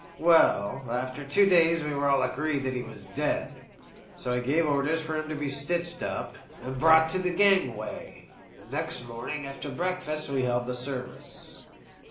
" Well, after two days we were all agreed that he was dead, so I gave orders for him to be stitched up and CAN THESE I)BT BONES LlVEf 261 brought to the gangway, and next morning after break fast we held the service.